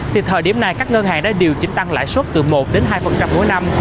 thì thời điểm này các ngân hàng đã điều chỉnh tăng lãi suất từ một đến hai mỗi năm